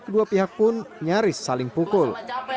dua pihak pun nyaris saling pukul